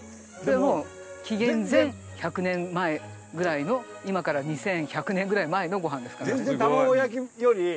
でも紀元前１００年前ぐらいの今から２１００年ぐらい前のごはんですから。